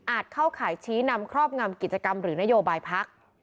เข้าข่ายชี้นำครอบงำกิจกรรมหรือนโยบายพัก